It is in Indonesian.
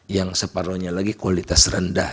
yang separuhnya lagi kualitas rendah